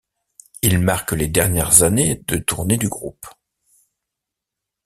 Il marque les dernières années de tournée du groupe.